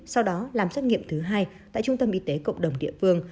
sau đó làm xét nghiệm thứ hai tại trung tâm y tế cộng đồng địa phương